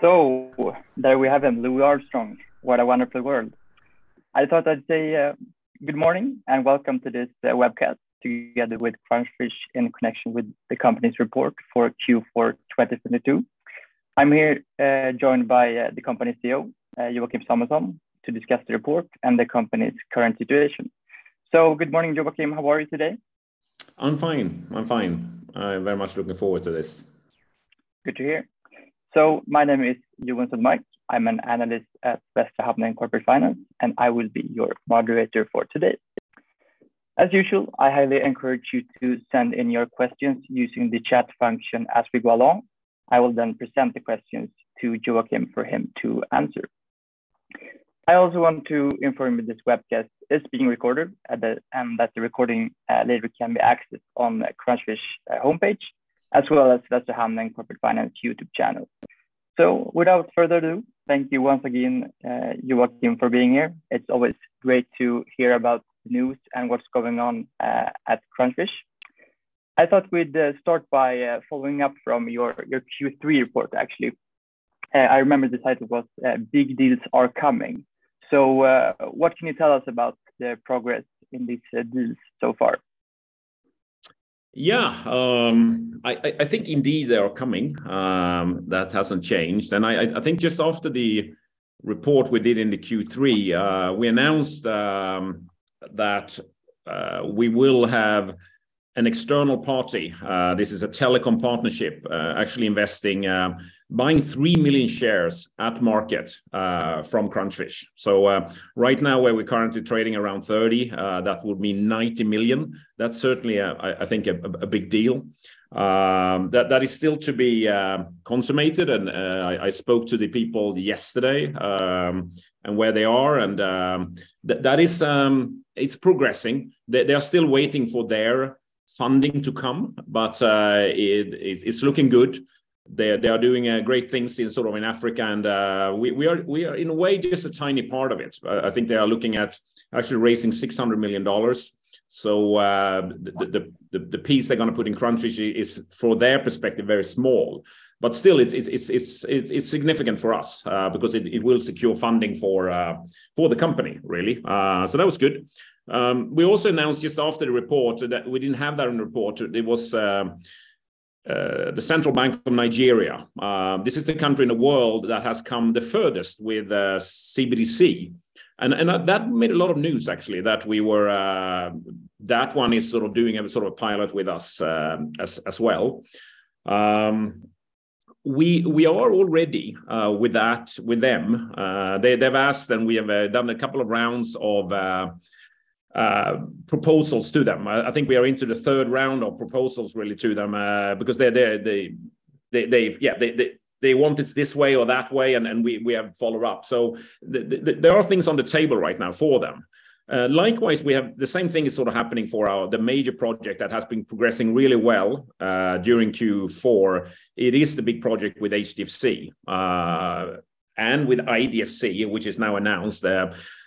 There we have him, Louis Armstrong, What a Wonderful World. I thought I'd say good morning, and welcome to this webcast together with Crunchfish in connection with the company's report for Q4 2022. I'm here joined by the company's CEO, Joachim Samuelsson, to discuss the report and the company's current situation. Good morning, Joakim. How are you today? I'm fine. I'm fine. I'm very much looking forward to this. Good to hear. My name is Joen Sundmark. I'm an analyst at Västra Hamnen Corporate Finance, and I will be your moderator for today. As usual, I highly encourage you to send in your questions using the chat function as we go along. I will present the questions to Joakim for him to answer. I also want to inform you this webcast is being recorded and that the recording later can be accessed on the Crunchfish homepage, as well as Västra Hamnen Corporate Finance YouTube channel. Without further ado, thank you once again, Joakim for being here. It's always great to hear about news and what's going on at Crunchfish. I thought we'd start by following up from your Q3 report, actually. I remember the title was Big Deals Are Coming. What can you tell us about the progress in these deals so far? Yeah. I think indeed they are coming. That hasn't changed. I think just after the report we did in the Q3, we announced that we will have an external party. This is a telecom partnership, actually investing, buying 3 million shares at market from Crunchfish. Right now, where we're currently trading around 30, that would mean 90 million. That's certainly, I think a big deal. That is still to be consummated. I spoke to the people yesterday, and where they are, and that is, it's progressing. They're still waiting for their funding to come, but it's looking good. They're doing great things in sort of in Africa and we are in a way, just a tiny part of it. I think they are looking at actually raising $600 million. Wow... the piece they're gonna put in Crunchfish is, from their perspective, very small, but still it's significant for us, because it will secure funding for the company really. That was good. We also announced just after the report that we didn't have that in the report. It was the Central Bank of Nigeria. This is the country in the world that has come the furthest with CBDC, and that made a lot of news actually, that we were that one is sort of doing a sort of a pilot with us as well. We are all ready with that, with them. They've asked, and we have done a couple of rounds of proposals to them. I think we are into the third round of proposals really to them because they want it this way or that way, and then we have follow up. There are things on the table right now for them. Likewise, the same thing is sort of happening for our major project that has been progressing really well during Q4. It is the big project with HDFC and with IDFC, which is now announced.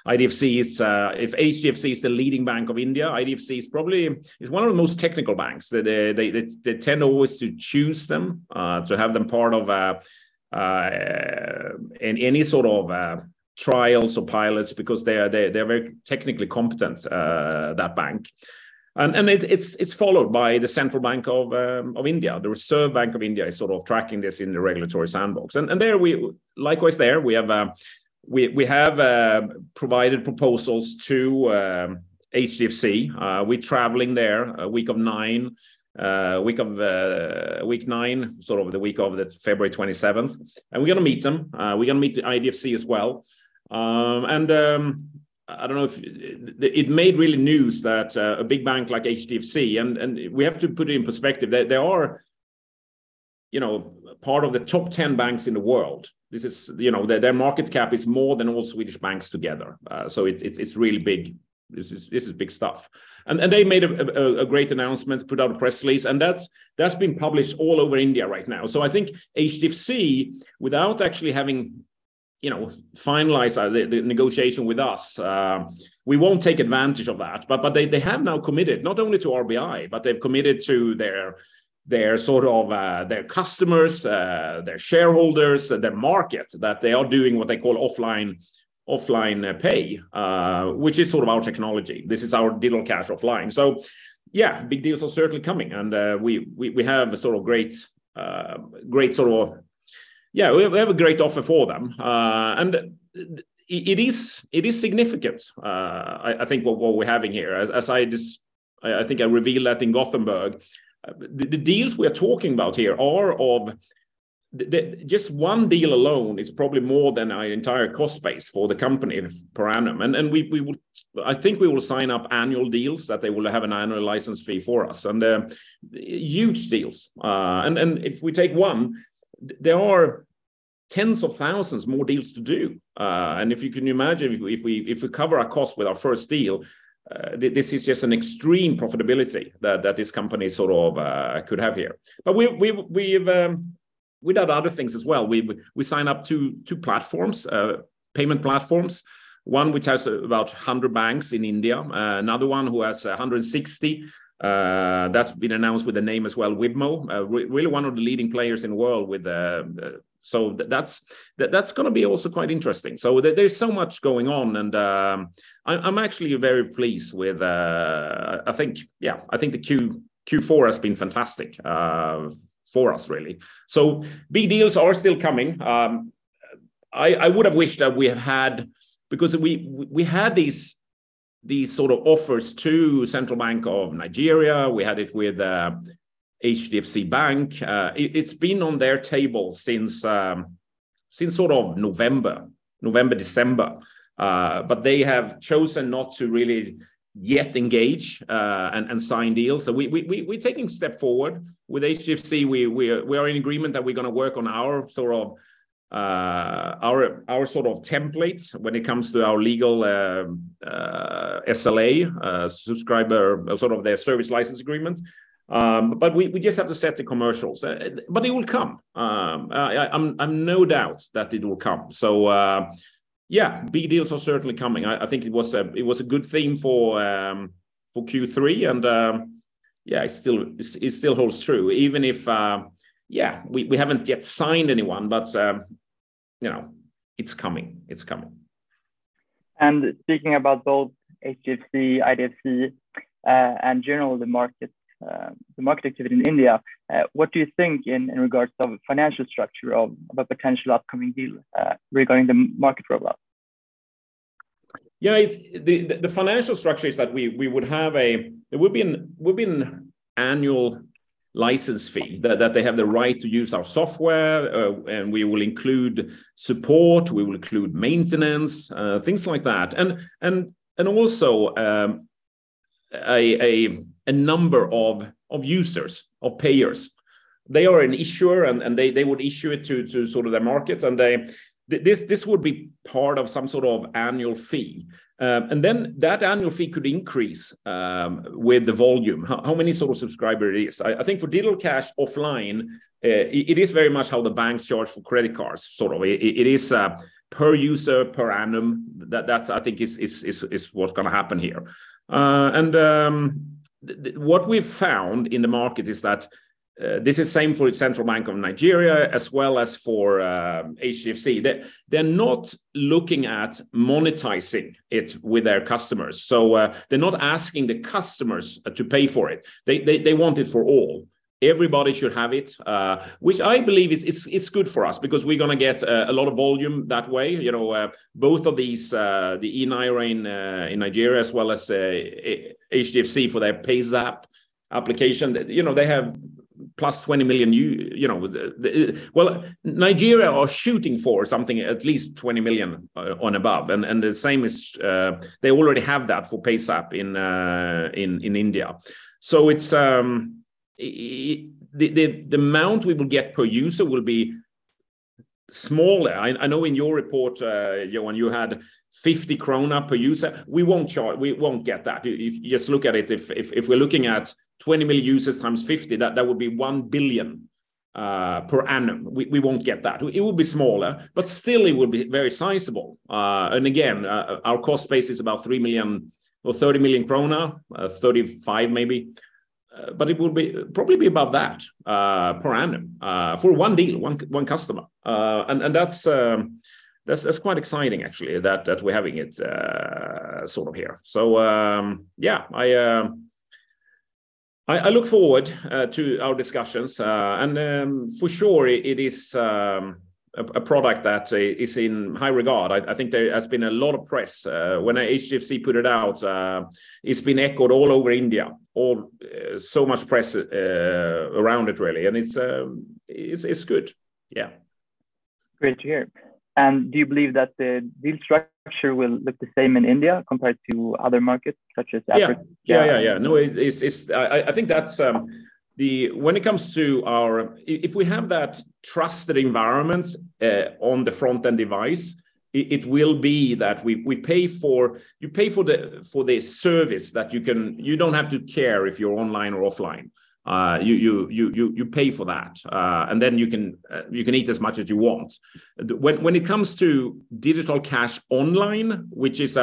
IDFC is, if HDFC is the leading bank of India, IDFC is probably one of the most technical banks. They tend always to choose them to have them part of in any sort of trials or pilots because they're very technically competent, that bank. It's followed by the Central Bank of India. The Reserve Bank of India is sort of tracking this in the regulatory sandbox. Likewise there, we have provided proposals to HDFC. We're traveling there week of 9, week of week 9, sort of the week of the February 27th. We're gonna meet them. We're gonna meet the IDFC as well. I don't know if it made really news that a big bank like HDFC. We have to put it in perspective. They are, you know, part of the top 10 banks in the world. This is, you know, their market cap is more than all Swedish banks together. So it's really big. This is big stuff. They made a great announcement, put out a press release, and that's been published all over India right now. I think HDFC, without actually having, you know, finalized the negotiation with us, we won't take advantage of that. They have now committed, not only to RBI, but they've committed to their sort of their customers, their shareholders, their market, that they are doing what they call offline pay, which is sort of our technology. This is our Digital Cash offline. Yeah, big deals are certainly coming, and we have a sort of great yeah, we have a great offer for them. It is significant, I think what we're having here, as I think I revealed that in Gothenburg. The deals we are talking about here are just one deal alone is probably more than our entire cost base for the company per annum. I think we will sign up annual deals that they will have an annual license fee for us. Huge deals. If we take one, there are tens of thousands more deals to do. If you can imagine if we cover our cost with our first deal, this is just an extreme profitability that this company sort of could have here. We've done other things as well. We signed up two platforms, payment platforms, one which has about 100 banks in India, another one who has 160. That's been announced with a name as well, Wibmo. really one of the leading players in the world with. That's gonna be also quite interesting. there's so much going on, and I'm actually very pleased with. I think Q4 has been fantastic for us really. Big deals are still coming. I would have wished that we have had because we had these sort of offers to Central Bank of Nigeria. We had it with HDFC Bank. it's been on their table since sort of November, December. They have chosen not to really yet engage and sign deals. We're taking a step forward. With HDFC, we are in agreement that we're gonna work on our sort of our sort of template when it comes to our legal SLA, subscriber sort of their service license agreement. We just have to set the commercials. It will come. I'm no doubt that it will come. Yeah, big deals are certainly coming. I think it was a good theme for Q3, yeah, it still holds true even if, yeah, we haven't yet signed anyone, you know, it's coming. It's coming. Speaking about both HDFC, IDFC, and general, the market activity in India, what do you think in regards of financial structure of a potential upcoming deal, regarding the market rollout? The financial structure is that we would have an annual license fee that they have the right to use our software, and we will include support, we will include maintenance, things like that. Also, a number of users, of payers. They are an issuer and they would issue it to their markets. This would be part of some sort of annual fee. That annual fee could increase with the volume. How many sort of subscriber it is. I think for Digital Cash offline, it is very much how the banks charge for credit cards, sort of. It is per user, per annum. That I think is what's gonna happen here. What we've found in the market is that this is same for Central Bank of Nigeria as well as for HDFC. They're not looking at monetizing it with their customers. They're not asking the customers to pay for it. They want it for all. Everybody should have it, which I believe is good for us because we're gonna get a lot of volume that way. You know, both of these, the eNaira in Nigeria as well as HDFC for their PayZapp application that, you know, they have +20 million you know. Nigeria are shooting for something at least 20 million above and the same is they already have that for PayZapp in India. The amount we will get per user will be smaller. I know in your report, Joen, you had 50 krona per user. We won't get that. You just look at it. If we're looking at 20 million users times 50, that would be 1 billion SEK per annum. We won't get that. It will be smaller, but still it will be very sizable. And again, our cost base is about 3 million SEK or 30 million krona, 35 million SEK maybe. It will probably be above that per annum for one deal, one customer. That's quite exciting actually that we're having it sort of here. Yeah, I look forward to our discussions. For sure it is a product that is in high regard. I think there has been a lot of press. When HDFC put it out, it's been echoed all over India. So much press around it really, and it's good. Yeah. Great to hear. Do you believe that the deal structure will look the same in India compared to other markets such as Africa? It's I think that's when it comes to our. If we have that trusted environment on the front end device, it will be that we pay for, you pay for the service that you can. You don't have to care if you're online or offline. You pay for that and then you can eat as much as you want. When it comes to Digital Cash online, which is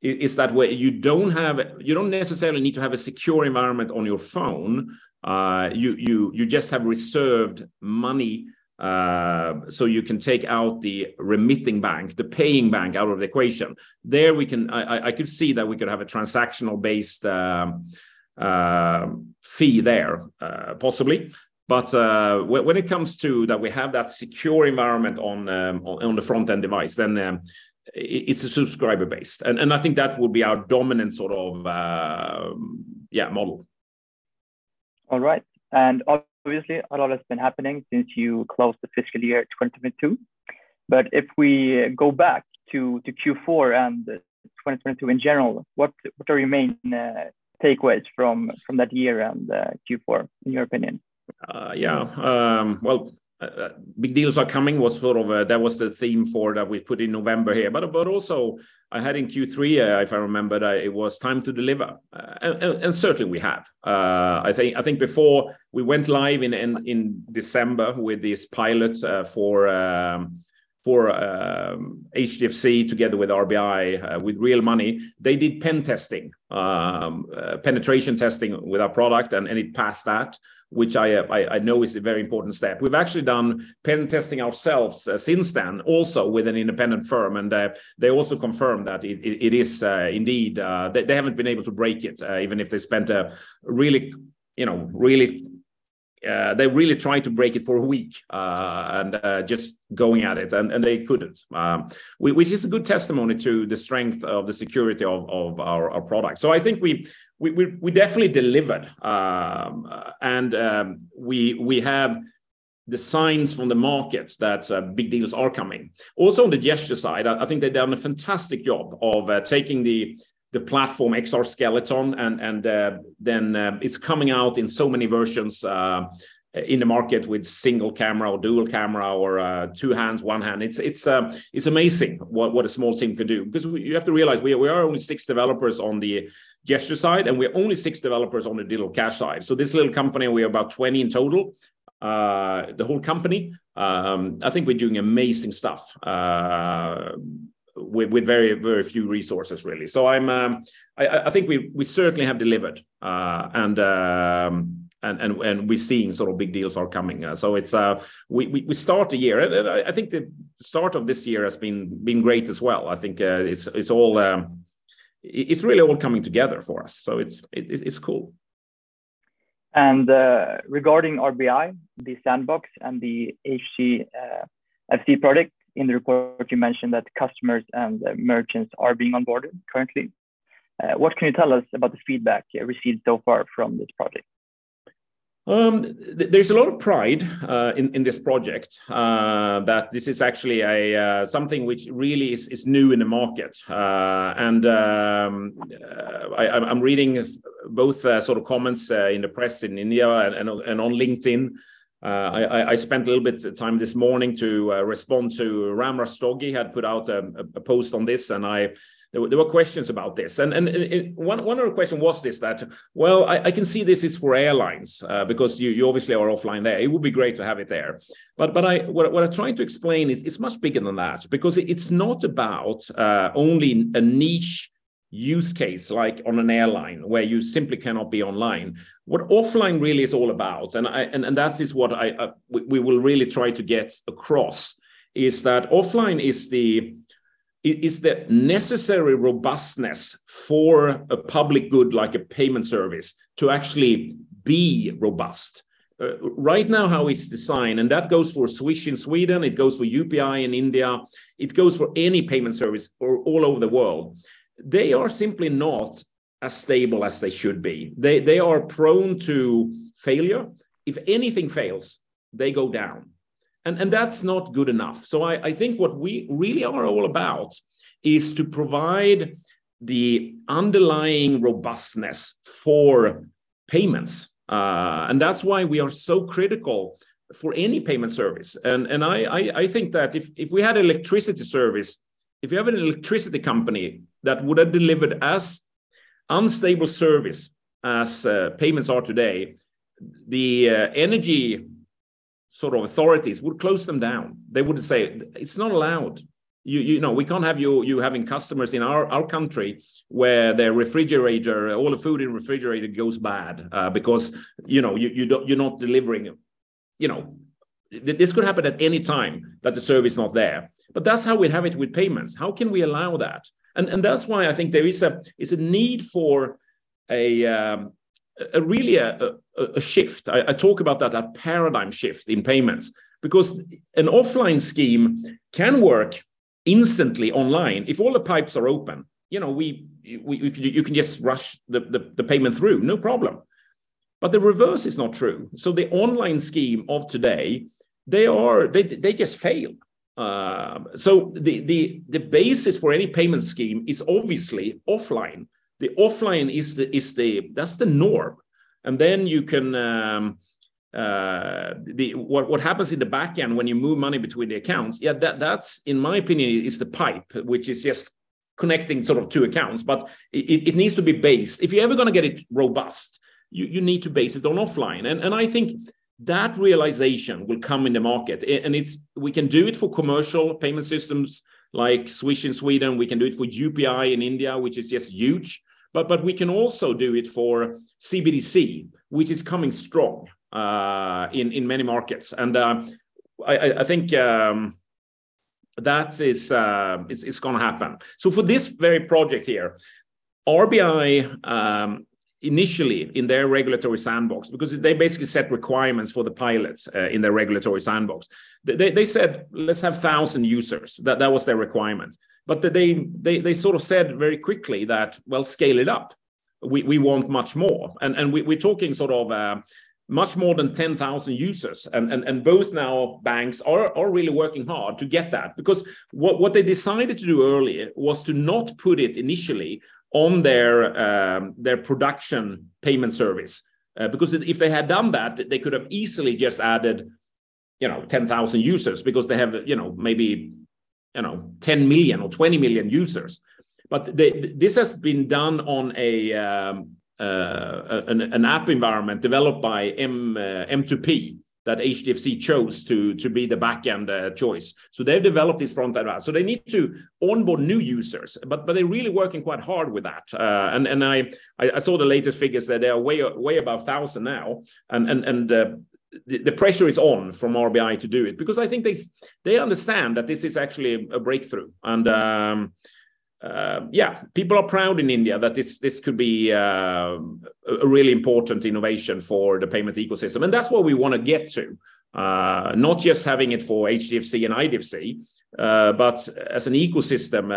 it's that way, you don't necessarily need to have a secure environment on your phone. You just have reserved money so you can take out the remitting bank, the paying bank out of the equation. There we can... I could see that we could have a transactional based fee there, possibly. When it comes to that we have that secure environment on the front end device, then it's a subscriber base. I think that will be our dominant sort of, yeah, model. All right. Obviously, a lot has been happening since you closed the fiscal year 2022. If we go back to Q4 and 2022 in general, what are your main takeaways from that year and Q4, in your opinion? Yeah. Well, big deals are coming was sort of, that was the theme for that we put in November here. Also I had in Q3, if I remember, it was time to deliver. Certainly we have. I think before we went live in December with these pilots for HDFC together with RBI with real money, they did pen testing, penetration testing with our product. It passed that, which I know is a very important step. We've actually done pen testing ourselves since then also with an independent firm, they also confirmed that it is indeed, they haven't been able to break it, even if they spent a really, you know... They really tried to break it for a week, and just going at it and they couldn't, which is a good testimony to the strength of the security of our product. I think we definitely delivered, and we have the signs from the markets that big deals are coming. Also, on the gesture side, I think they've done a fantastic job of taking the platform XR Skeleton and then it's coming out in so many versions in the market with single camera or dual camera or two hands, one hand. It's amazing what a small team could do. You have to realize we are only six developers on the gesture side, and we're only six developers on the Digital Cash side. This little company, we're about 20 in total, the whole company. I think we're doing amazing stuff with very, very few resources really. I think we certainly have delivered, and we're seeing sort of big deals are coming. It's, we start the year. I think the start of this year has been great as well. I think it's all, it's really all coming together for us. It's cool. Regarding RBI, the sandbox and the HDFC product, in the report you mentioned that customers and merchants are being onboarded currently. What can you tell us about the feedback you received so far from this project? There's a lot of pride in this project that this is actually a something which really is new in the market. I'm reading both sort of comments in the press in India and on LinkedIn. I spent a little bit of time this morning to respond to Ram Rastogi had put out a post on this. There were questions about this. One other question was this, that, "Well, I can see this is for airlines, because you obviously are offline there. It would be great to have it there. What I'm trying to explain is it's much bigger than that because it's not about only a niche use case like on an airline where you simply cannot be online. What offline really is all about, and that is what I, we will really try to get across, is that offline is the necessary robustness for a public good, like a payment service, to actually be robust. Right now, how it's designed, and that goes for Swish in Sweden, it goes for UPI in India, it goes for any payment service or all over the world. They are simply not as stable as they should be. They are prone to failure. If anything fails, they go down, and that's not good enough. I think what we really are all about is to provide the underlying robustness for payments. That's why we are so critical for any payment service. I think that if we had electricity service, if you have an electricity company that would have delivered as unstable service as payments are today, the energy sort of authorities would close them down. They would say, "It's not allowed. You know, we can't have you having customers in our country where their refrigerator, all the food in refrigerator goes bad, because, you know, you don't, you're not delivering." You know, this could happen at any time that the service is not there. That's how we have it with payments. How can we allow that? That's why I think there is a need for a really a shift. I talk about that, a paradigm shift in payments because an offline scheme can work instantly online if all the pipes are open. You know, we, you can just rush the payment through, no problem. The reverse is not true. The online scheme of today, they just fail. The basis for any payment scheme is obviously offline. The offline is the norm. What happens in the back end when you move money between the accounts, yeah, that's, in my opinion, is the pipe, which is just connecting sort of two accounts. It needs to be based. If you're ever gonna get it robust, you need to base it on offline. I think that realization will come in the market. It's we can do it for commercial payment systems like Swish in Sweden, we can do it for UPI in India, which is just huge. We can also do it for CBDC, which is coming strong in many markets. I think that is gonna happen. For this very project here, RBI, initially in their regulatory sandbox, because they basically set requirements for the pilots in their regulatory sandbox. They said, "Let's have 1,000 users." That was their requirement. They sort of said very quickly that, "Well, scale it up. We want much more. We're talking sort of much more than 10,000 users. Both now banks are really working hard to get that. What they decided to do earlier was to not put it initially on their production payment service. Because if they had done that, they could have easily just added. You know, 10,000 users because they have, you know, maybe, you know, 10 million or 20 million users. This has been done on an app environment developed by M2P that HDFC chose to be the back-end choice. They've developed this front-end app. They need to onboard new users, but they're really working quite hard with that. I saw the latest figures that they are way above 1,000 now. The pressure is on from RBI to do it because I think they understand that this is actually a breakthrough. Yeah, people are proud in India that this could be a really important innovation for the payment ecosystem. That's what we want to get to, not just having it for HDFC and IDFC, but as an ecosystem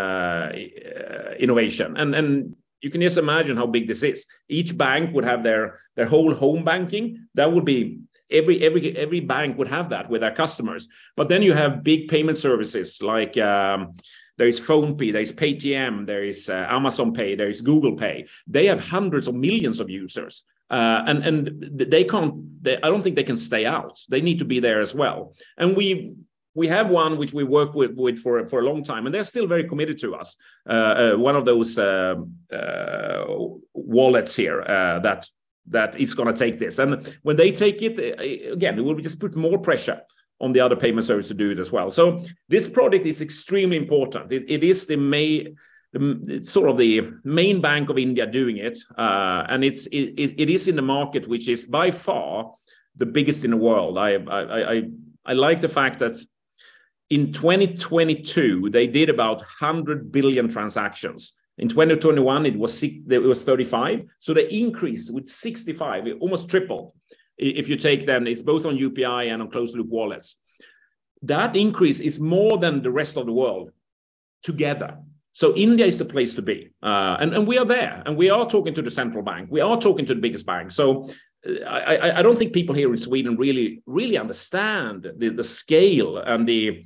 innovation. You can just imagine how big this is. Each bank would have their whole home banking. That would be every bank would have that with their customers. You have big payment services like there is PhonePe, there is Paytm, there is Amazon Pay, there is Google Pay. They have hundreds of millions of users. They can't I don't think they can stay out. They need to be there as well. We have one which we work with for a long time, and they're still very committed to us. One of those wallets here that is gonna take this. When they take it, again, it will just put more pressure on the other payment service to do it as well. This product is extremely important. It is the sort of the main bank of India doing it, and it is in the market, which is by far the biggest in the world. I like the fact that in 2022, they did about 100 billion transactions. In 2021, it was 35. The increase with 65, almost triple, if you take them, it's both on UPI and on closed loop wallets. That increase is more than the rest of the world together. India is the place to be. And we are there, and we are talking to the central bank. We are talking to the biggest bank. I don't think people here in Sweden really understand the scale and the.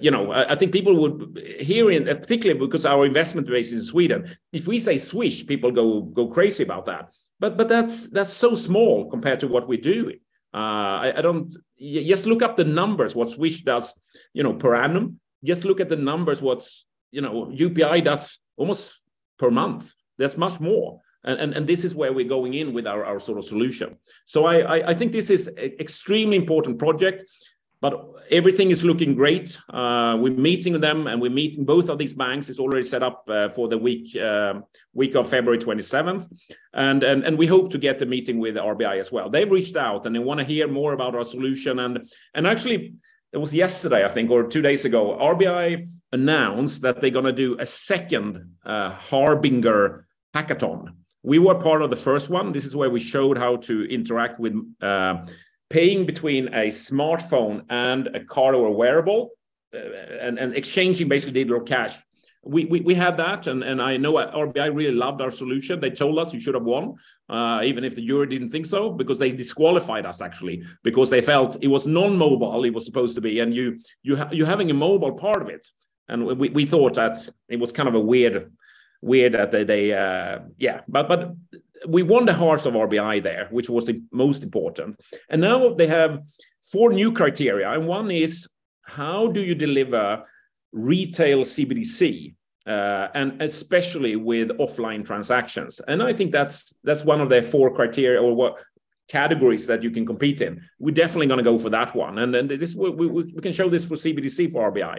You know, I think people would. Here in. Particularly because our investment base is Sweden. If we say Swish, people go crazy about that. That's so small compared to what we're doing. I don't. Just look up the numbers, what Swish does, you know, per annum. Just look at the numbers, what's, you know, UPI does almost per month. That's much more. This is where we're going in with our sort of solution. I think this is extremely important project, but everything is looking great. We're meeting them, and we're meeting both of these banks. It's already set up for the week of February 27th. We hope to get a meeting with RBI as well. They've reached out, and they wanna hear more about our solution. Actually, it was yesterday, I think, or two days ago, RBI announced that they're gonna do a 2nd HaRBInger Hackathon. We were part of the first one. This is where we showed how to interact with paying between a smartphone and a card or a wearable and exchanging basically Digital Cash. We had that, and I know RBI really loved our solution. They told us, "You should have won," even if the jury didn't think so, because they disqualified us, actually, because they felt it was non-mobile, it was supposed to be. You're having a mobile part of it. We thought that it was kind of a weird that they. We won the hearts of RBI there, which was the most important. Now they have four new criteria, and one is, how do you deliver retail CBDC, and especially with offline transactions? I think that's one of their four criteria or what categories that you can compete in. We're definitely gonna go for that one. Then we can show this for CBDC for RBI.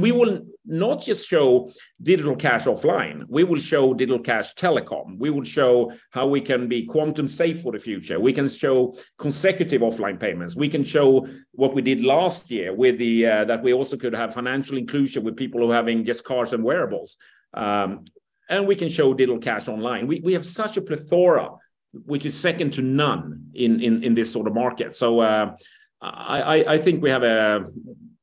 We will not just show Digital Cash offline. We will show Digital Cash telecom. We will show how we can be quantum-safe for the future. We can show consecutive offline payments. We can show what we did last year with the that we also could have financial inclusion with people who are having just cards and wearables. We have such a plethora, which is second to none in this sort of market.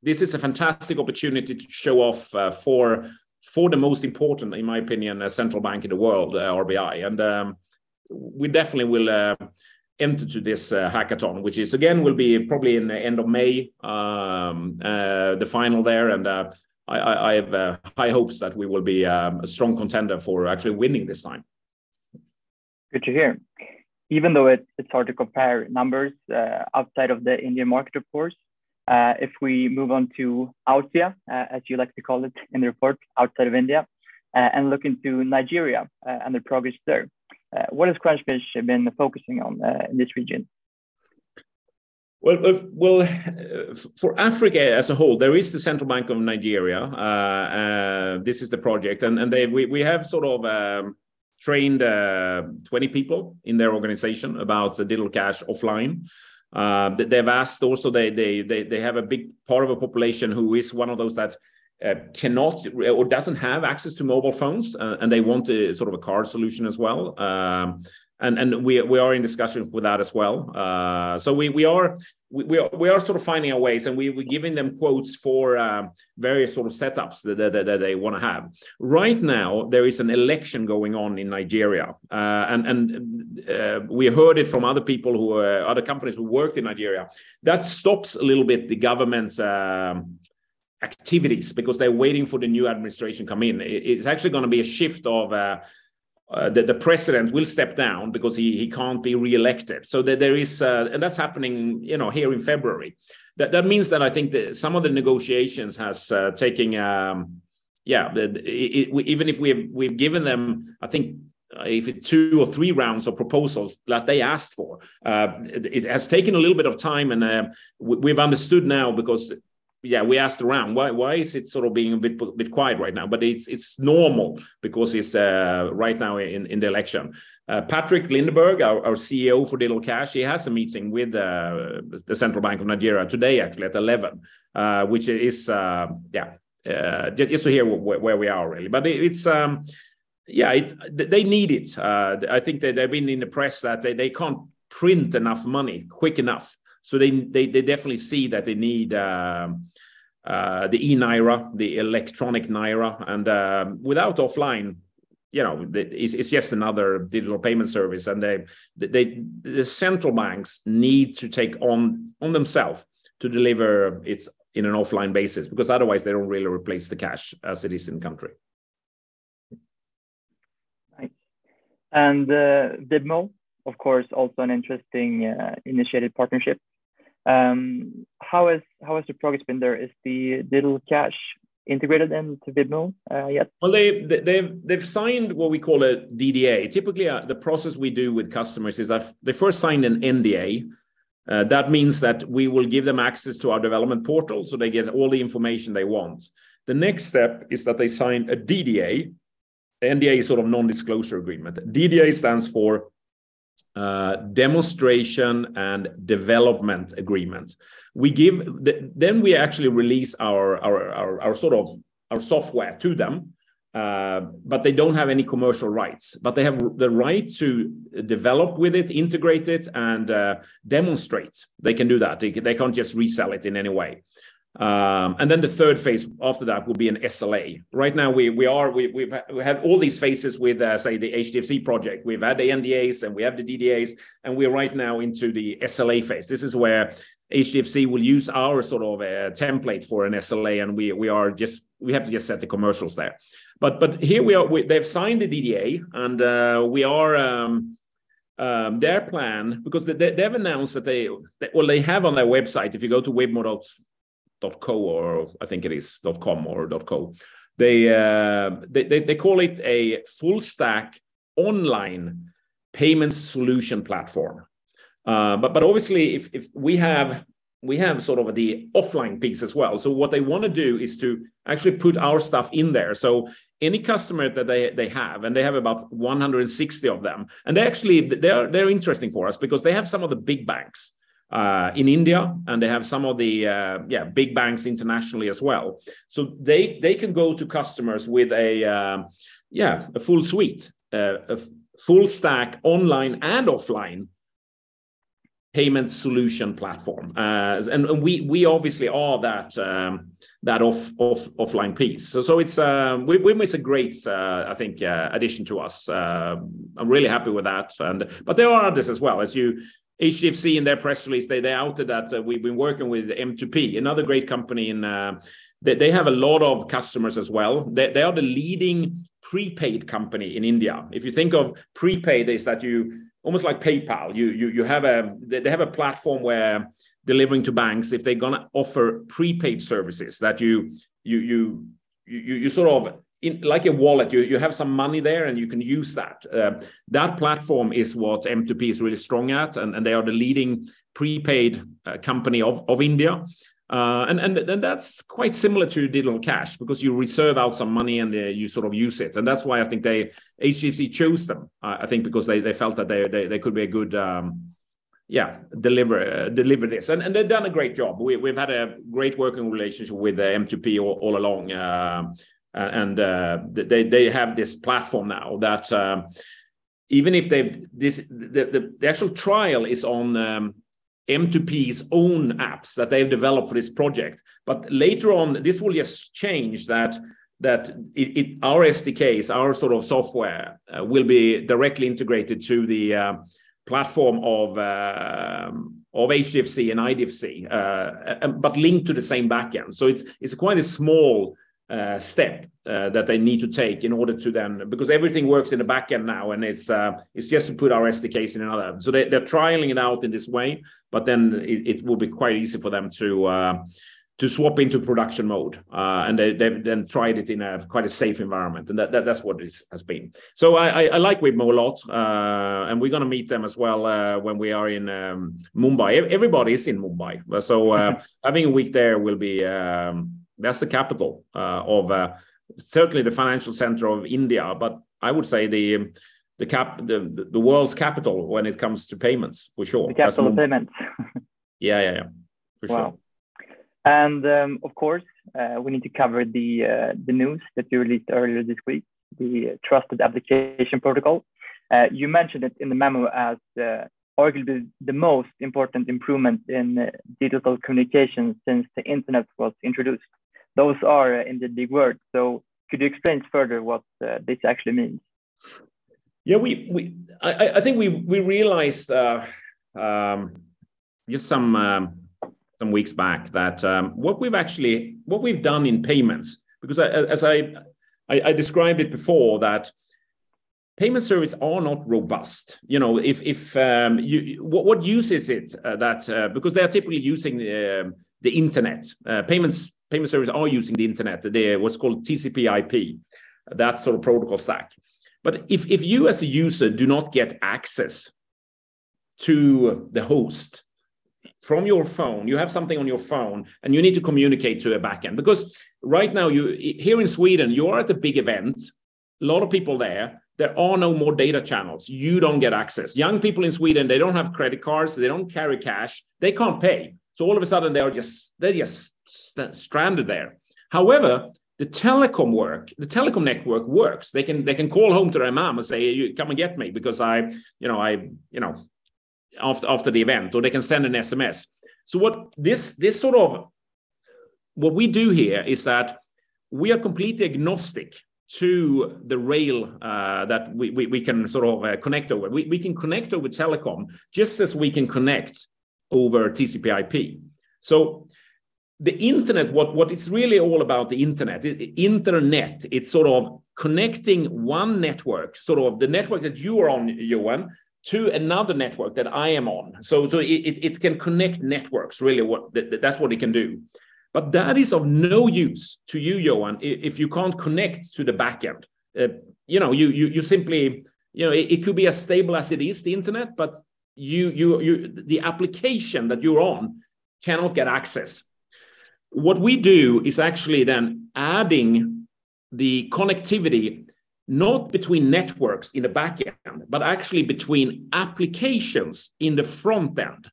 This is a fantastic opportunity to show off for the most important, in my opinion, central bank in the world, RBI. We definitely will enter to this HaRBInger, which is again, will be probably in the end of May, the final there. I have high hopes that we will be a strong contender for actually winning this time. Good to hear. Even though it's hard to compare numbers outside of the Indian market, of course, if we move on to OutDIA, as you like to call it in the report, outside of India, and look into Nigeria, and the progress there, what has Crunchfish been focusing on in this region? Well, well, well, for Africa as a whole, there is the Central Bank of Nigeria. This is the project, and we have sort of trained 20 people in their organization about Digital Cash offline. They've asked also, they have a big part of a population who is one of those that cannot or doesn't have access to mobile phones, and they want a sort of a card solution as well. We are in discussion with that as well. We are sort of finding our ways, and we're giving them quotes for various sort of setups that they wanna have. Right now, there is an election going on in Nigeria, and we heard it from other people who are other companies who work in Nigeria. That stops a little bit the government's activities because they're waiting for the new administration come in. It's actually gonna be a shift of the president will step down because he can't be reelected. There is. That's happening, you know, here in February. That means that I think some of the negotiations has taking. Yeah. Even if we've given them, I think, if two or three rounds of proposals that they asked for, it has taken a little bit of time. We've understood now because we asked around, "Why, why is it sort of being a bit quiet right now?" It's normal because it's right now in the election. Patrik Lindeberg, our CEO for Digital Cash, he has a meeting with the Central Bank of Nigeria today actually at 11, which is just to hear where we are really. They need it. I think they've been in the press that they can't print enough money quick enough, so they definitely see that they need the eNaira, the electronic Naira. Without offline, you know, it's just another digital payment service. The central banks need to take on themself to deliver it in an offline basis because otherwise they don't really replace the cash as it is in country. Right. Wibmo, of course, also an interesting, initiated partnership. How is, how has the progress been there? Is the Digital Cash integrated into Wibmo yet? They've signed what we call a DDA. Typically, the process we do with customers is that they first sign an NDA. That means that we will give them access to our development portal. They get all the information they want. The next step is that they sign a DDA. NDA is sort of non-disclosure agreement. DDA stands for demonstration and development agreement. Then we actually release our sort of our software to them. They don't have any commercial rights. They have the right to develop with it, integrate it, and demonstrate. They can do that. They can't just resell it in any way. The third phase after that will be an SLA. Right now we've had, we have all these phases with, say, the HDFC project. We've had the NDAs, and we have the DDAs, and we're right now into the SLA phase. This is where HDFC will use our sort of template for an SLA, and we have to just set the commercials there. Here we are. They've signed the DDA. Well, they have on their website, if you go to wibmo.co or I think it is .com or .co. They call it a full stack online payment solution platform. Obviously, if we have sort of the offline piece as well. What they wanna do is to actually put our stuff in there. Any customer that they have, and they have about 160 of them. They're interesting for us because they have some of the big banks in India, and they have some of the big banks internationally as well. They can go to customers with a full suite, a full stack online and offline payment solution platform. We obviously are that offline piece. We miss a great, I think, addition to us. I'm really happy with that. There are others as well. HDFC in their press release, they outed that we've been working with M2P, another great company in. They have a lot of customers as well. They are the leading prepaid company in India. If you think of prepaid is that almost like PayPal. They have a platform where delivering to banks, if they're gonna offer prepaid services that you sort of like a wallet. You have some money there, and you can use that. That platform is what M2P is really strong at, and they are the leading prepaid company of India. That's quite similar to Digital Cash because you reserve out some money, and you sort of use it. That's why I think HDFC chose them, I think because they felt that they could be a good, yeah, deliverer, deliver this. They've done a great job. We've had a great working relationship with M2P all along. They have this platform now that the actual trial is on M2P's own apps that they've developed for this project. Later on, this will just change that our SDKs, our sort of software, will be directly integrated to the platform of HDFC and IDFC, but linked to the same backend. It's quite a small step that they need to take in order to then. Because everything works in the backend now, and it's just to put our SDKs in another. They're trialing it out in this way, it will be quite easy for them to swap into production mode. They've tried it in a quite a safe environment, and that's what it has been. I like Webmo a lot. We're gonna meet them as well when we are in Mumbai. Everybody is in Mumbai. Having a week there. That's the capital of, certainly the financial center of India, I would say the world's capital when it comes to payments, for sure. The capital of payments. Yeah, yeah. For sure. Wow. Of course, we need to cover the news that you released earlier this week, the Trusted Application Protocol. You mentioned it in the memo as arguably the most important improvement in digital communication since the internet was introduced. Those are in the big words, could you explain further what this actually means? Yeah, we I think we realized just some weeks back that what we've done in payments, because as I described it before that payment service are not robust. You know, if what uses it that because they are typically using the internet, payments, payment service are using the internet. They're what's called TCP/IP, that sort of protocol stack. If you as a user do not get access to the host from your phone, you have something on your phone, and you need to communicate to the back end. Right now, you here in Sweden, you are at the big event, a lot of people there are no more data channels. You don't get access. Young people in Sweden, they don't have credit cards, they don't carry cash, they can't pay. All of a sudden they are just, they're just stranded there. However, the telecom network works. They can call home to their mom and say, "Come and get me because I'm, you know, I'm, you know," after the event, or they can send an SMS. What we do here is that we are completely agnostic to the rail that we can sort of connect over. We can connect over telecom just as we can connect over TCP/IP. The internet, what it's really all about the internet, it's sort of connecting one network, sort of the network that you are on, Johan, to another network that I am on. It can connect networks. That's what it can do. That is of no use to you, Johan, if you can't connect to the back end. You know, you simply, you know, it could be as stable as it is, the internet, but you. The application that you're on cannot get access. What we do is actually then adding the connectivity not between networks in the back end, but actually between applications in the front end.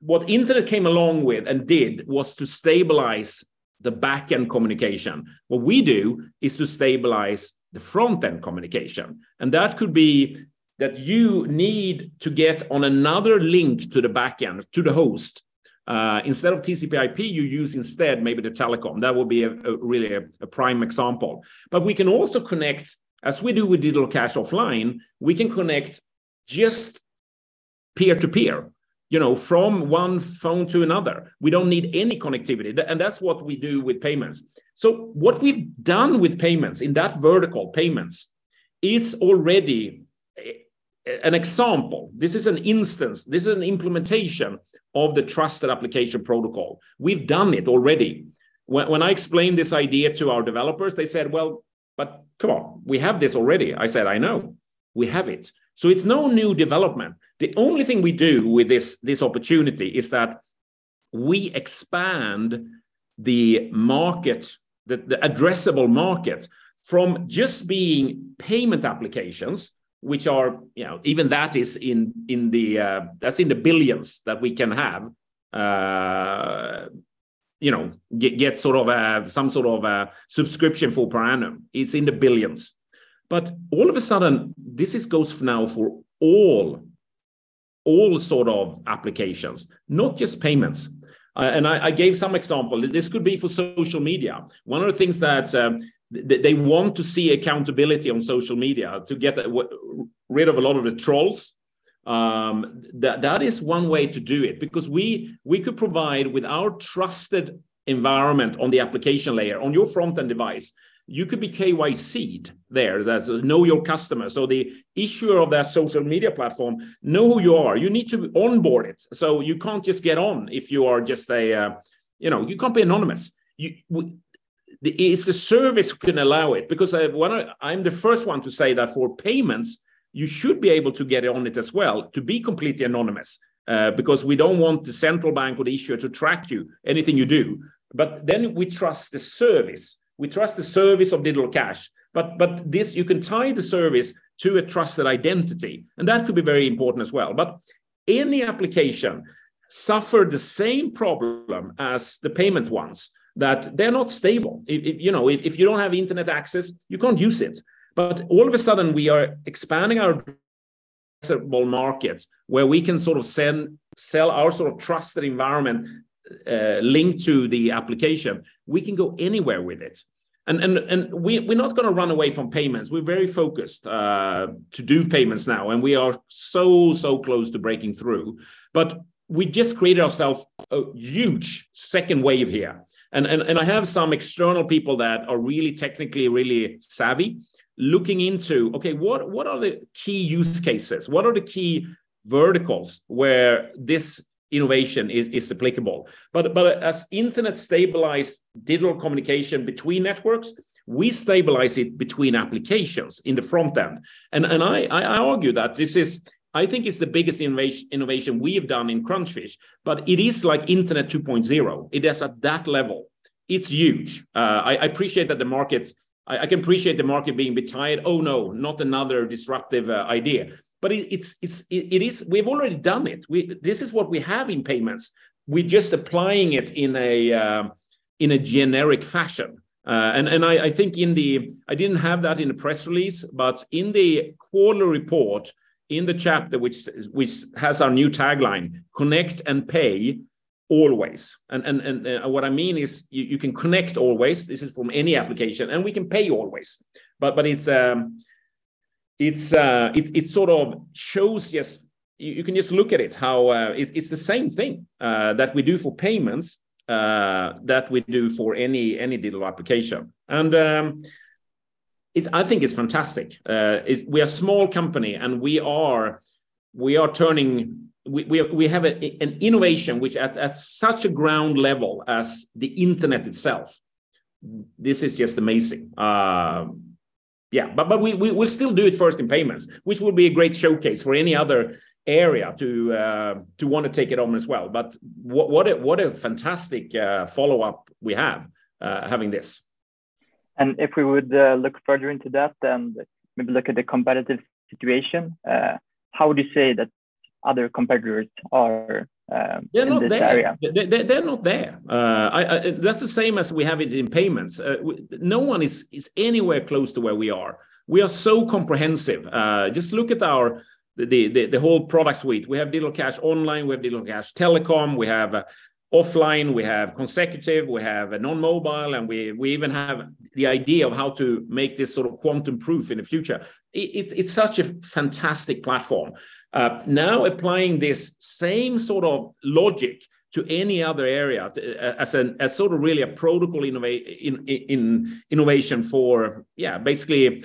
What internet came along with and did was to stabilize the back-end communication. What we do is to stabilize the front-end communication, and that could be that you need to get on another link to the back end, to the host. Instead of TCP/IP, you use instead maybe the telecom. That would be a really prime example. We can also connect, as we do with Digital Cash offline, we can connect just peer-to-peer, you know, from one phone to another. We don't need any connectivity. That's what we do with payments. What we've done with payments in that vertical, payments, is already an example. This is an instance, this is an implementation of the Trusted Application Protocol. We've done it already. When I explained this idea to our developers, they said, "Well, come on, we have this already." I said, "I know. We have it." It's no new development. The only thing we do with this opportunity is that we expand the market, the addressable market from just being payment applications, which are, you know, even that is in the billions that we can have, you know, get sort of a, some sort of a subscription for per annum. It's in the billions. All of a sudden, this is goes for now for all sort of applications, not just payments. I gave some example. This could be for social media. One of the things that they want to see accountability on social media to get rid of a lot of the trolls, that is one way to do it because we could provide with our trusted environment on the application layer, on your front-end device, you could be KYC'd there, that know your customer. The issuer of that social media platform know who you are. You need to onboard it. You can't just get on if you are just a, you know, you can't be anonymous. It's a service can allow it because I'm the first one to say that for payments, you should be able to get on it as well to be completely anonymous because we don't want the central bank or the issuer to track you, anything you do. We trust the service. We trust the service of Digital Cash. This, you can tie the service to a trusted identity, and that could be very important as well. Any application suffer the same problem as the payment ones, that they're not stable. If, you know, if you don't have internet access, you can't use it. All of a sudden, we are expanding our addressable market where we can sort of send, sell our sort of trusted environment, linked to the application. We can go anywhere with it. We, we're not gonna run away from payments. We're very focused to do payments now, and we are so close to breaking through. We just created ourself a huge second wave here. I have some external people that are really technically really savvy looking into, what are the key use cases? What are the key verticals where this innovation is applicable? As internet stabilized digital communication between networks, we stabilize it between applications in the front end. I argue that this is. I think it's the biggest innovation we have done in Crunchfish, but it is like Internet 2.0. It is at that level. It's huge. I appreciate that the market. I can appreciate the market being bit tired, "Oh, no, not another disruptive idea." It is. We've already done it. This is what we have in payments. We're just applying it in a generic fashion. I think in the... I didn't have that in the press release, but in the quarter report, in the chapter which is, which has our new tagline, "Connect and pay"-Always. What I mean is you can connect always, this is from any application, and we can pay always. It's, it sort of shows just. You can just look at it how, it's the same thing that we do for payments that we do for any digital application. I think it's fantastic. We're a small company, and we are turning. We have a, an innovation which at such a ground level as the internet itself. This is just amazing. Yeah. We still do it first in payments, which will be a great showcase for any other area to wanna take it on as well. What a fantastic follow-up we have having this. If we would look further into that then maybe look at the competitive situation, how would you say that other competitors are in this area? They're not there. They're not there. I... That's the same as we have it in payments. No one is anywhere close to where we are. We are so comprehensive. Just look at our the whole product suite. We have Digital Cash online, we have Digital Cash telecom, we have Offline, we have Consecutive, we have a Non-Mobile, and we even have the idea of how to make this sort of quantum-safe in the future. It's such a fantastic platform. Now applying this same sort of logic to any other area as an, as sort of really a protocol innovation for basically.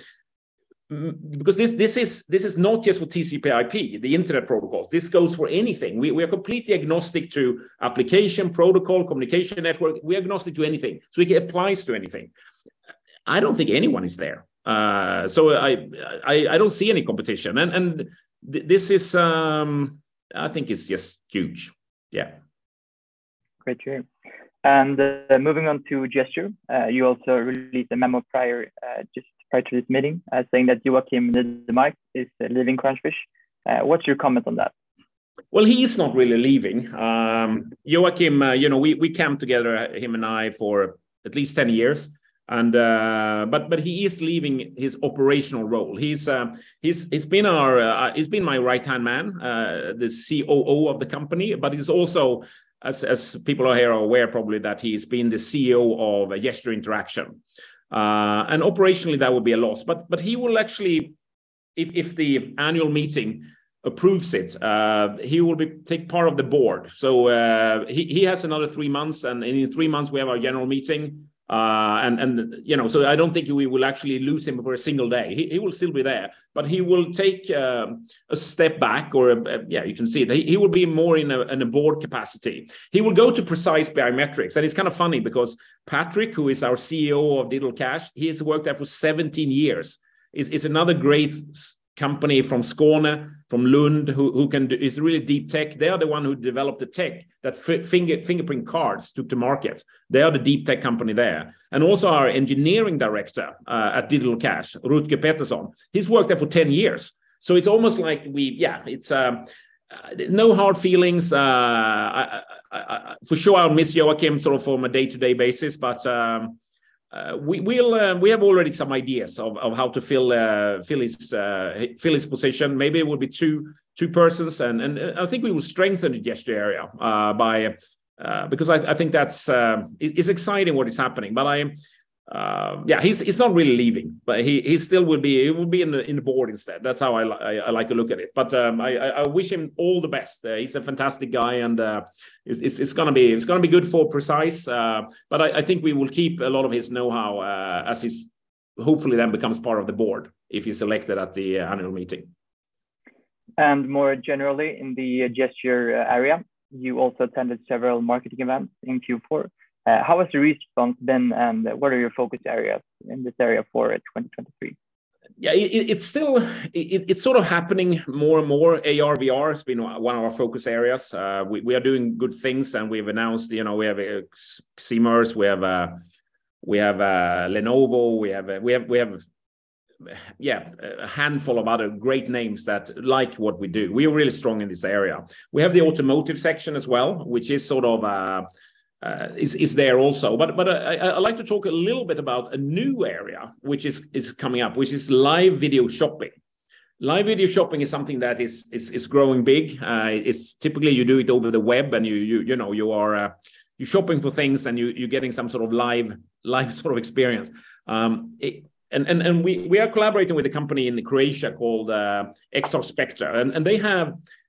Because this is not just for TCP/IP, the internet protocols. This goes for anything. We're completely agnostic to application, protocol, communication network. We're agnostic to anything, so it applies to anything. I don't think anyone is there. I don't see any competition. This is... I think it's just huge. Yeah. Great to hear. Moving on to Gesture, you also released a memo prior, just prior to this meeting, saying that Joakim Nydemark is leaving Crunchfish. What's your comment on that? Well, he is not really leaving. Joakim, you know, we came together, him and I, for at least 10 years. He is leaving his operational role. He's been our, he's been my right-hand man, the COO of the company, but he's also, as people out here are aware probably, that he's been the CEO of Gesture Interaction. Operationally that would be a loss. He will actually, if the annual meeting approves it, he will be take part of the board. He has another three months, and in three months we have our general meeting. You know, I don't think we will actually lose him for a single day. He will still be there. He will take a step back or, yeah, you can say that. He will be more in a board capacity. He will go to Precise Biometrics. It's kind of funny because Patrick, who is our CEO of Digital Cash, he has worked there for 17 years. It's another great company from Skåne, from Lund, who can do. It's really deep tech. They are the one who developed the tech that Fingerprint Cards took to market. They are the deep tech company there. Also our Engineering Director at Digital Cash, Rutger Petersson, he's worked there for 10 years. It's almost like we... Yeah, it's no hard feelings. I... For sure I'll miss Joakim sort of from a day-to-day basis, but we have already some ideas of how to fill his position. Maybe it will be two persons. I think we will strengthen the Gesture area because I think that's... It's exciting what is happening. Yeah, he's not really leaving, but he still will be in the board instead. That's how I like to look at it. I wish him all the best. He's a fantastic guy, and it's gonna be good for Precise Biometrics. I think we will keep a lot of his know-how, as he's hopefully then becomes part of the board if he's elected at the annual meeting. More generally in the Gesture area, you also attended several marketing events in Q4. How was the response then, and what are your focus areas in this area for 2023? Yeah. It's still... It's sort of happening more and more. AR/VR has been one of our focus areas. We are doing good things, we've announced, you know, we have Ximmerse, we have Lenovo, we have, yeah, a handful of other great names that like what we do. We're really strong in this area. We have the automotive section as well, which is sort of there also. I'd like to talk a little bit about a new area which is coming up, which is live video shopping. Live video shopping is something that is growing big. It's typically you do it over the web and you, you know, you are, you're shopping for things and you're getting some sort of live sort of experience. We are collaborating with a company in Croatia called Exospecta, and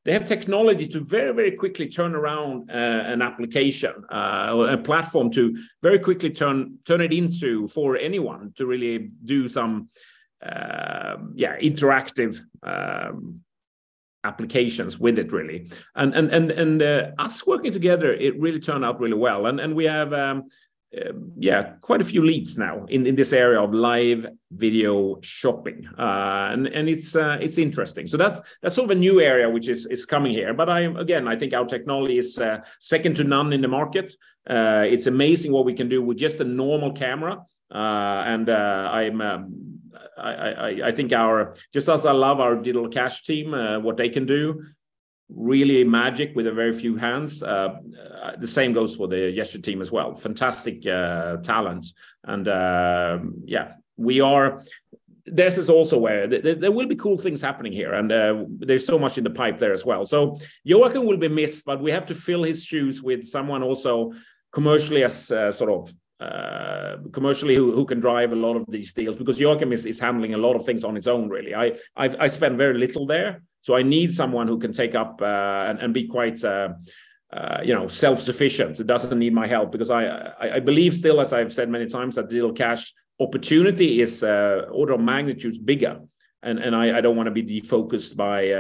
they have technology to very quickly turn around an application or a platform to very quickly turn it into for anyone to really do some, yeah, interactive applications with it really. Us working together, it really turned out really well. We have, yeah, quite a few leads now in this area of live video shopping. It's interesting. That's sort of a new area which is coming here. I'm, again, I think our technology is second to none in the market. It's amazing what we can do with just a normal camera. Just as I love our Digital Cash team, what they can do, really magic with a very few hands, the same goes for the Gesture team as well. Fantastic talent. Yeah, this is also where there will be cool things happening here, and there's so much in the pipe there as well. Joakim will be missed, but we have to fill his shoes with someone also commercially as sort of commercially who can drive a lot of these deals because Joakim is handling a lot of things on his own really. I spend very little there, so I need someone who can take up, and be quite, you know, self-sufficient, who doesn't need my help because I believe still, as I've said many times, that Digital Cash opportunity is order of magnitudes bigger and I don't wanna be defocused by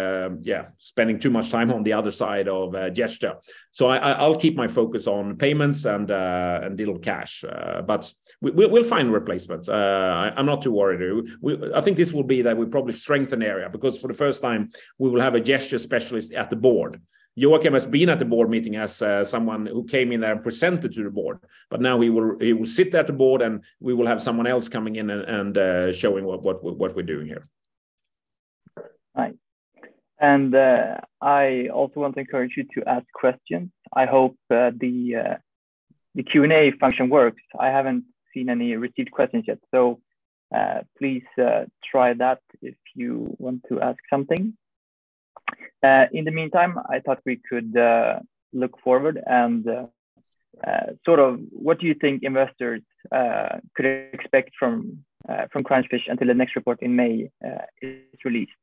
spending too much time on the other side of Gesture. I'll keep my focus on payments and Digital Cash. We'll find replacements. I'm not too worried. I think this will be that we probably strengthen area because for the first time, we will have a Gesture specialist at the board. Joakim has been at the board meeting as someone who came in there and presented to the board. now he will sit at the board, and we will have someone else coming in and showing what we're doing here. Right. I also want to encourage you to ask questions. I hope the Q&A function works. I haven't seen any received questions yet, please try that if you want to ask something. In the meantime, I thought we could look forward and sort of what do you think investors could expect from Crunchfish until the next report in May is releaseda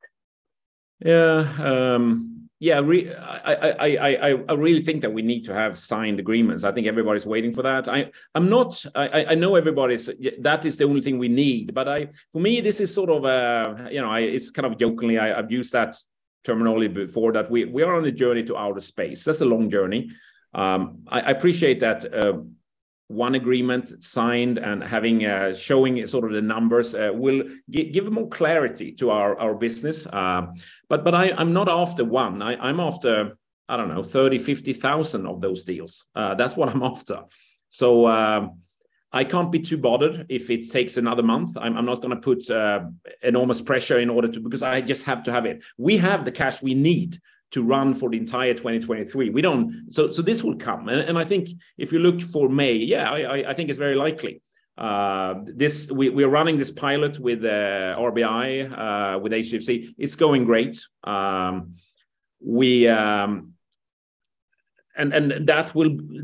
Yeah. I really think that we need to have signed agreements. I think everybody's waiting for that. I know everybody's that is the only thing we need. For me, this is sort of, you know, it's kind of jokingly, I've used that terminology before that we are on a journey to outer space. That's a long journey. I appreciate that one agreement signed and having showing sort of the numbers will give more clarity to our business. But I'm not after one. I'm after, I don't know, 30,000, 50,000 of those deals. That's what I'm after. I can't be too bothered if it takes another month. I'm not gonna put enormous pressure because I just have to have it. We have the cash we need to run for the entire 2023. This will come. I think if you look for May, yeah, I think it's very likely. We are running this pilot with RBI, with HDFC. It's going great.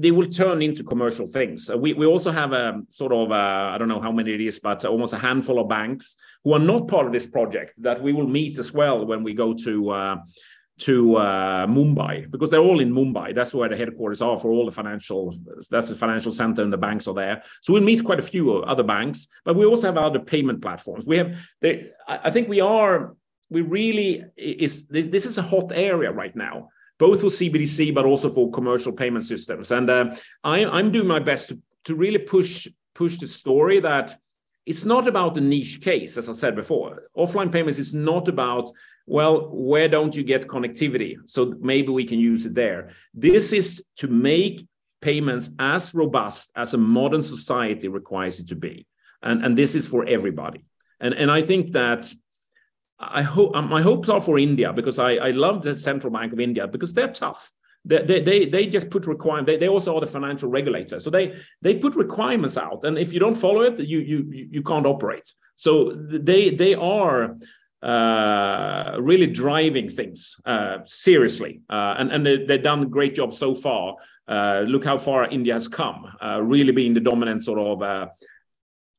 They will turn into commercial things. We also have sort of I don't know how many it is, but almost a handful of banks who are not part of this project that we will meet as well when we go to Mumbai. They're all in Mumbai. That's where the headquarters are. That's the financial center, and the banks are there. We'll meet quite a few other banks, but we also have other payment platforms. We have I think this is a hot area right now, both for CBDC, but also for commercial payment systems. I'm doing my best to really push the story that it's not about the niche case, as I said before. Offline payments is not about, well, where don't you get connectivity? Maybe we can use it there. This is to make payments as robust as a modern society requires it to be. This is for everybody. I think that I hope my hopes are for India because I love the Central Bank of India because they're tough. They just put They also are the financial regulator. They put requirements out, and if you don't follow it, you can't operate. They are really driving things seriously. They've done a great job so far. Look how far India has come, really being the dominant sort of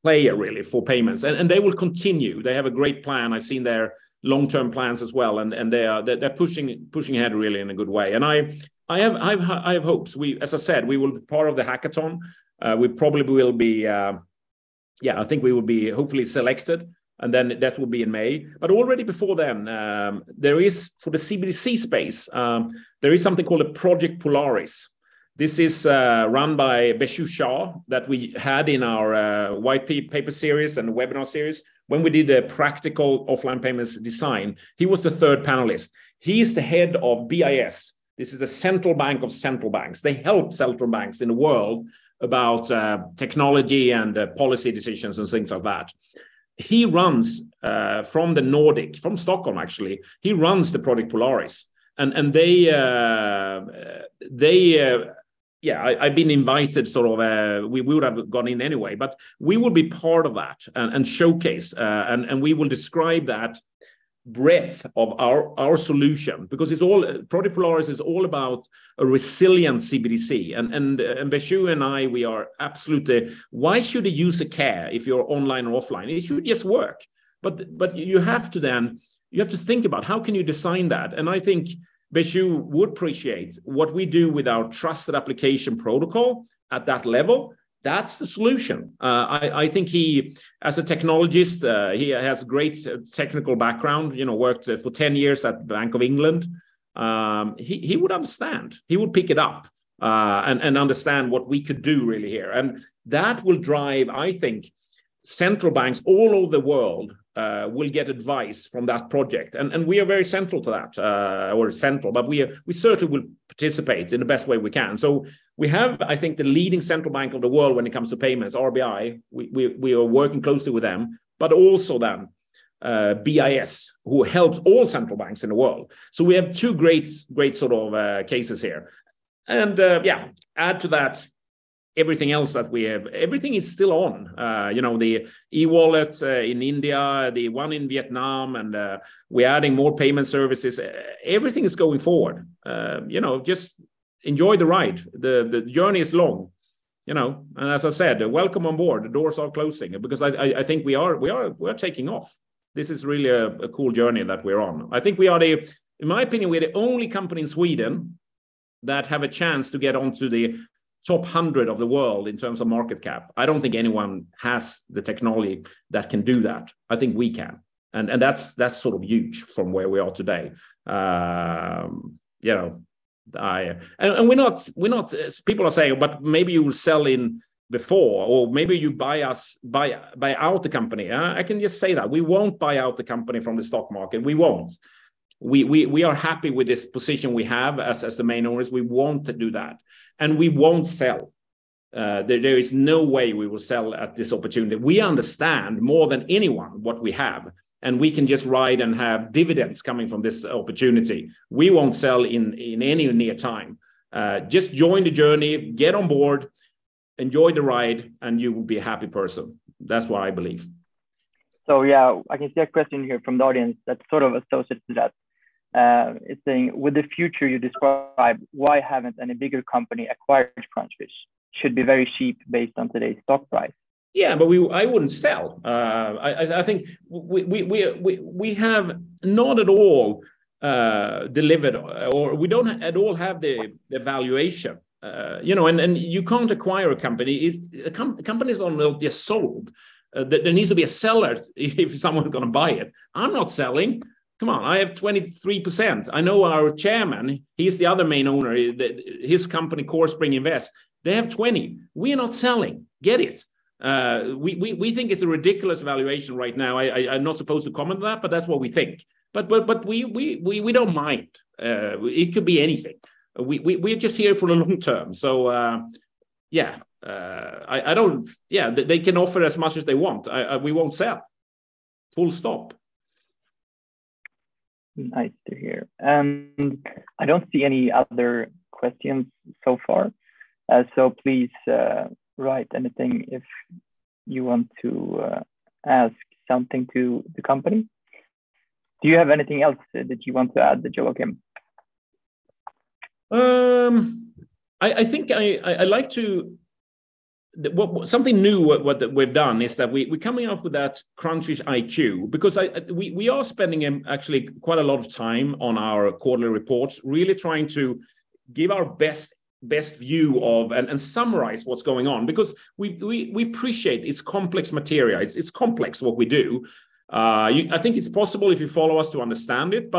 player really for payments. They will continue. They have a great plan. I've seen their long-term plans as well, they're pushing ahead really in a good way. I have hopes. As I said, we will be part of the hackathon. We probably will be, I think we will be hopefully selected, that will be in May. Already before then, for the CBDC space, there is something called a Project Polaris. This is run by Beju Shah, that we had in our white paper series and webinar series. When we did a practical offline payments design, he was the third panelist. He's the head of BIS. This is the central bank of central banks. They help central banks in the world about technology and policy decisions and things like that. He runs from the Nordic, from Stockholm, actually, he runs the Project Polaris. They... Yeah, I've been invited sort of, we would have gone in anyway. We will be part of that and showcase and we will describe that breadth of our solution because it's all Project Polaris is all about a resilient CBDC. Beju and I, we are absolutely. Why should a user care if you're online or offline? It should just work. You have to think about how can you design that? I think Beju would appreciate what we do with our Trusted Application Protocol at that level. That's the solution. I think he, as a technologist, he has great technical background, you know, worked for 10 years at Bank of England. He would understand. He would pick it up and understand what we could do really here. That will drive, I think, central banks all over the world will get advice from that project. We are very central to that, or central. We certainly will participate in the best way we can. We have, I think, the leading central bank of the world when it comes to payments, RBI. We are working closely with them, but also then BIS, who helps all central banks in the world. We have two great sort of cases here. Add to thatEverything else that we have, everything is still on. You know, the e-wallets in India, the one in Vietnam, and we're adding more payment services. Everything is going forward. You know, just enjoy the ride. The journey is long, you know. As I said, welcome on board, the doors are closing. I think we are taking off. This is really a cool journey that we're on. In my opinion, we're the only company in Sweden that have a chance to get onto the top 100 of the world in terms of market cap. I don't think anyone has the technology that can do that. I think we can, and that's sort of huge from where we are today. You know, People are saying, "But maybe you will sell in before, or maybe you buy out the company." I can just say that we won't buy out the company from the stock market. We won't. We are happy with this position we have as the main owners. We won't do that, and we won't sell. There is no way we will sell at this opportunity. We understand more than anyone what we have, and we can just ride and have dividends coming from this opportunity. We won't sell in any near time. Just join the journey, get on board, enjoy the ride, and you will be a happy person. That's what I believe. Yeah, I can see a question here from the audience that's sort of associated to that. It's saying, "With the future you describe, why haven't any bigger company acquired Crunchfish? Should be very cheap based on today's stock price. Yeah, but I wouldn't sell. I think we have not at all delivered or we don't at all have the valuation. You know, you can't acquire a company. Companies don't just sold. There needs to be a seller if someone's gonna buy it. I'm not selling. Come on, I have 23%. I know our chairman, he's the other main owner. His company, Corespring Invest, they have 20%. We are not selling. Get it. We think it's a ridiculous valuation right now. I'm not supposed to comment that, but that's what we think. We don't mind. It could be anything. We're just here for the long term. Yeah. Yeah. They can offer as much as they want. I, we won't sell. Full stop. Nice to hear. I don't see any other questions so far. Please, write anything if you want to, ask something to the company. Do you have anything else that you want to add, Joakim? I think something new that we've done is that we're coming up with that Crunchfish iQ because we are spending, actually quite a lot of time on our quarterly reports, really trying to give our best view of, and summarize what's going on because we appreciate it's complex material. It's complex what we do. I think it's possible if you follow us to understand it.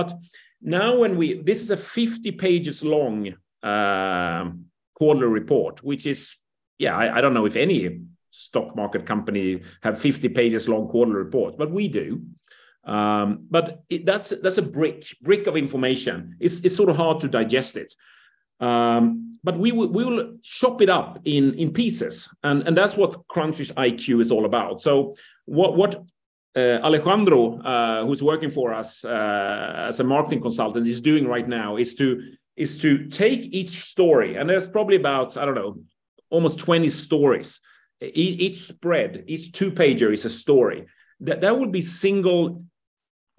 Now this is a 50 pages long quarterly report, which is. Yeah. I don't know if any stock market company have 50 pages long quarterly report, but we do. That's a brick of information. It's sort of hard to digest it. But we will chop it up in pieces, and that's what Crunchfish iQ is all about. What Alejandro, who's working for us as a marketing consultant, is doing right now is to take each story, and there's probably about, I don't know, almost 20 stories. Each spread, each two-pager is a story that would be single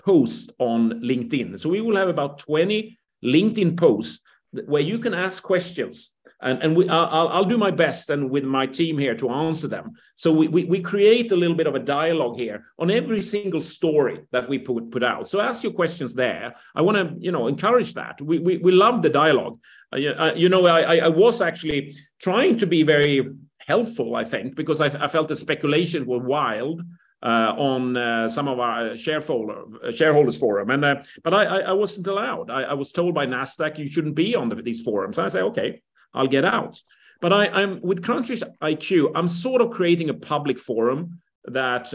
post on LinkedIn. We will have about 20 LinkedIn posts where you can ask questions, and I'll do my best and with my team here to answer them. We create a little bit of a dialogue here on every single story that we put out. Ask your questions there. I wanna, you know, encourage that. We love the dialogue. You know, I was actually trying to be very helpful I think because I felt the speculation were wild on some of our shareholders forum and but I wasn't allowed. I was told by Nasdaq, "You shouldn't be on these forums." I say, "Okay, I'll get out." With Crunchfish iQ, I'm sort of creating a public forum that,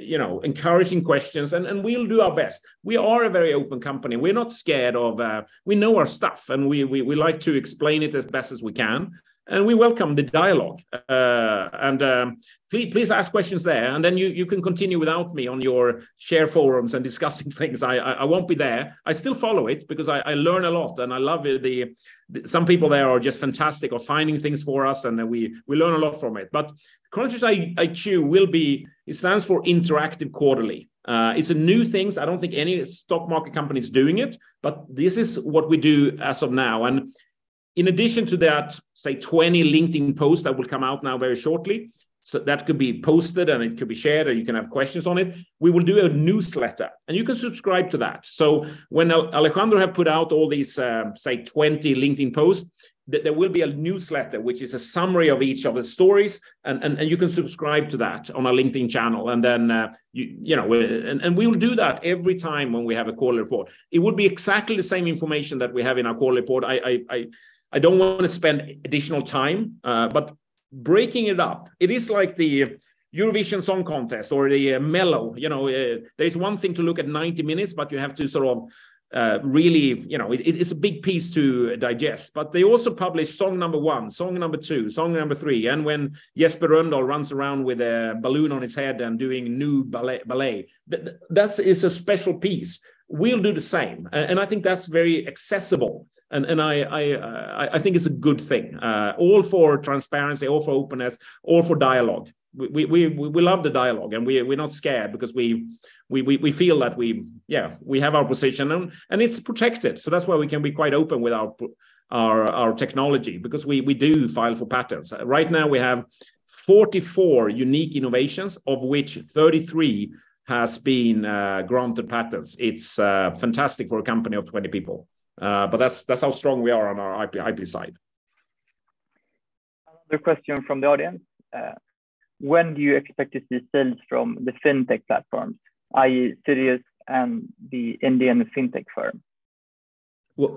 you know, encouraging questions, and we'll do our best. We are a very open company. We're not scared of. We know our stuff, and we like to explain it as best as we can, and we welcome the dialogue. Please ask questions there, and then you can continue without me on your share forums and discussing things. I won't be there. I still follow it because I learn a lot, and I love Some people there are just fantastic or finding things for us, and then we learn a lot from it. Crunchfish iQ. It stands for Interactive Quarterly. It's a new things. I don't think any stock market company is doing it, but this is what we do as of now. In addition to that, say 20 LinkedIn posts that will come out now very shortly, so that could be posted, and it could be shared, or you can have questions on it. We will do a newsletter, and you can subscribe to that. When Alejandro have put out all these, say 20 LinkedIn posts, there will be a newsletter, which is a summary of each of the stories and you can subscribe to that on our LinkedIn channel and then you know. We will do that every time when we have a quarterly report. It would be exactly the same information that we have in our quarterly report. I don't wanna spend additional time. Breaking it up. It is like the Eurovision Song Contest or the Mello. You know, there is one thing to look at 90 minutes, but you have to sort of really. You know, it's a big piece to digest. They also publish song number one, song number two, song number three. When Jesper Rönndahl runs around with a balloon on his head and doing nude ballet, that's is a special piece. We'll do the same, and I think that's very accessible. And I think it's a good thing, all for transparency, all for openness, all for dialogue. We love the dialogue, and we're not scared because we feel that we, yeah, we have our position and it's protected. That's why we can be quite open with our technology because we do file for patents. Right now we have 44 unique innovations, of which 33 has been granted patents. It's fantastic for a company of 20 people. That's how strong we are on our IP side. Another question from the audience. When do you expect to see sales from the Fintech platforms, i.e. Sirius and the Indian Fintech firm?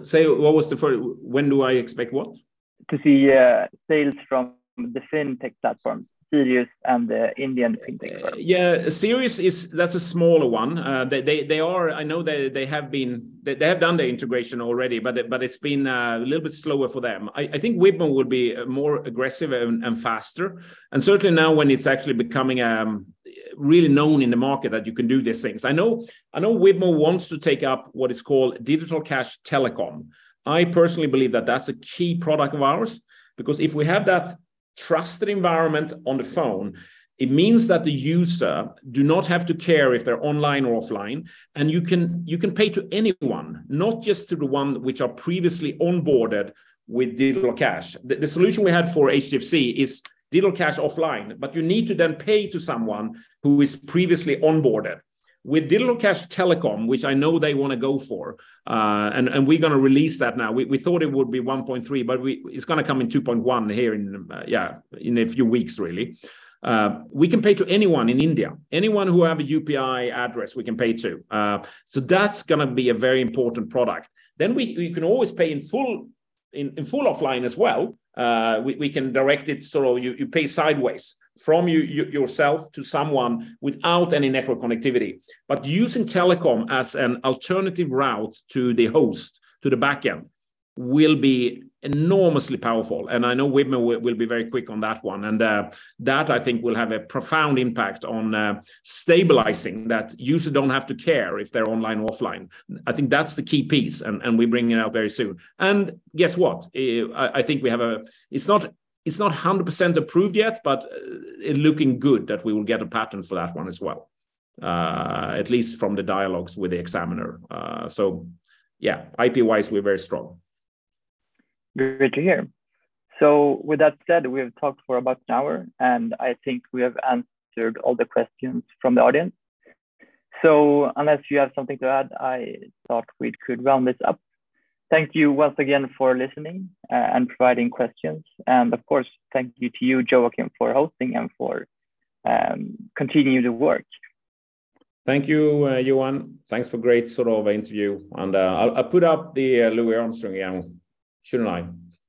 Say, what was the first? When do I expect what? To see sales from the fintech platform, Sirius and the Indian fintech firm. Yeah, Sirius, that's a smaller one. I know they have done the integration already, but it's been a little bit slower for them. I think Wibmo would be more aggressive and faster. Certainly now when it's actually becoming really known in the market that you can do these things. I know Wibmo wants to take up what is called Digital Cash Telecom. I personally believe that that's a key product of ours because if we have that trusted environment on the phone, it means that the user do not have to care if they're online or offline. You can pay to anyone, not just to the one which are previously onboarded with Digital Cash. The solution we had for HDFC is Digital Cash offline, but you need to then pay to someone who is previously onboarded. With Digital Cash Telecom, which I know they wanna go for, and we're gonna release that now. We thought it would be 1.3, but it's gonna come in 2.1 here in a few weeks, really. We can pay to anyone in India, anyone who have a UPI address, we can pay to. That's gonna be a very important product. Then you can always pay in full, in full offline as well. We can direct it so you pay sideways from yourself to someone without any network connectivity. Using Telecom as an alternative route to the host, to the back end, will be enormously powerful. I know Wibmo will be very quick on that one. That I think will have a profound impact on stabilizing that user don't have to care if they're online or offline. I think that's the key piece, and we bring it out very soon. Guess what? I think we have. It's not 100% approved yet, but it looking good that we will get a patent for that one as well, at least from the dialogues with the examiner. So yeah, IP-wise, we're very strong. Good to hear. With that said, we have talked for about an hour, and I think we have answered all the questions from the audience. Unless you have something to add, I thought we could round this up. Thank you once again for listening and providing questions. Of course, thank you to you, Joakim, for hosting and for, continue the work. Thank you, Joen. Thanks for great sort of interview. I'll put up the Louis Armstrong again, shouldn't I?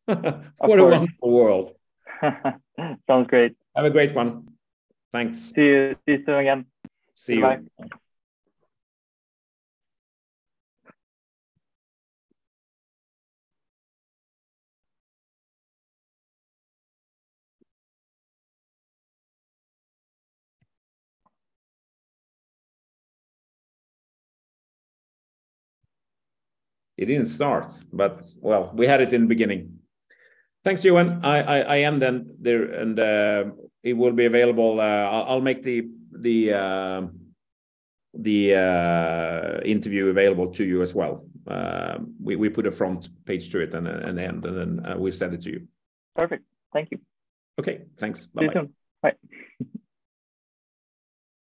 Of course. What a wonderful world. Sounds great. Have a great one. Thanks. See you. See you soon again. See you. Bye. It didn't start, but, well, we had it in the beginning. Thanks, Joen. I end then there and it will be available. I'll make the interview available to you as well. We put a front page to it and end, and then we send it to you. Perfect. Thank you. Okay, thanks. Bye-bye. See you soon. Bye.